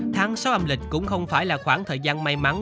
tháng sáu âm lịch cũng không phải là khoảng thời gian may mắn